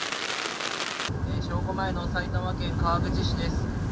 正午前の埼玉県川口市です。